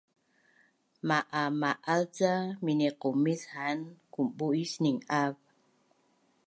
Ma’ama’az ca miniqumic haan kumbu’is ning’av?